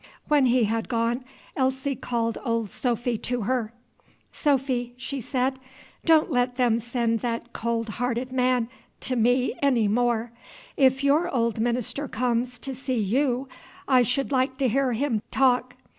When he had gone, Elsie called Old Sophy to her. "Sophy," she said, "don't let them send that cold hearted man to me any more. If your old minister comes to see you, I should like to hear him talk.